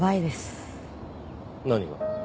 何が？